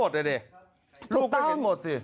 ก็เห็นหมดเลยเนี่ย